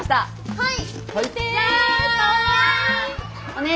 はい！